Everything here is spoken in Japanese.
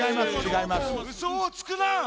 うそをつくな！